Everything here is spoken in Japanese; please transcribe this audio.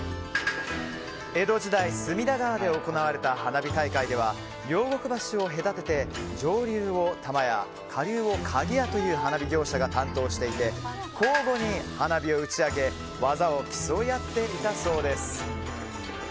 江戸時代隅田川で行われた花火大会では両国橋を隔てて上流を玉屋下流を鍵屋という花火業者が担当していて交互に花火を打ち上げ技を競い合っていたそうです。